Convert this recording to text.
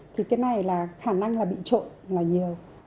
thì cái này là khả năng là bị trộn là nhiều